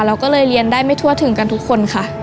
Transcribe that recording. เราก็เลยเรียนได้ไม่ทั่วถึงกันทุกคนค่ะ